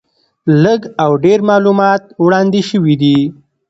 لږ او ډېر معلومات وړاندې شوي دي.